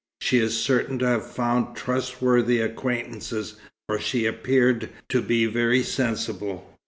She is certain to have found trustworthy acquaintances, for she appeared to be very sensible."